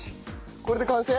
これで完成？